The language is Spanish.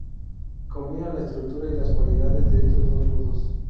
Combina la estructura y las cualidades de estos dos nudos.